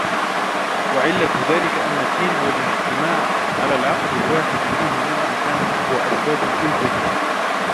وَعِلَّةُ ذَلِكَ أَنَّ الدِّينَ وَالِاجْتِمَاعَ عَلَى الْعَقْدِ الْوَاحِدِ فِيهِ لَمَّا كَانَ أَقْوَى أَسْبَابِ الْأُلْفَةِ